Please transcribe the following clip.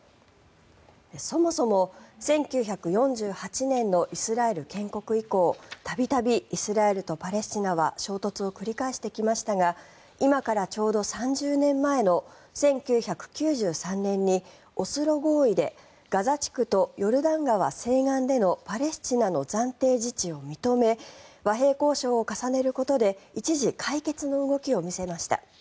そもそも１９４８年のイスラエル建国以降度々イスラエルとパレスチナは衝突を繰り返してきましたが今からちょうど３０年前の１９９３年にオスロ合意でガザ地区とヨルダン川西岸でのパレスチナの暫定自治を認め和平交渉を重ねることで一時、解決の動きを見せました。